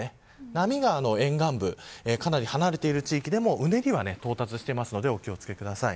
波が沿岸部かなり離れている地域でもうねりは到達しているのでお気を付けください。